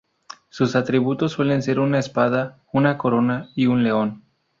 Sus atributos suelen ser una espada, una corona y un león.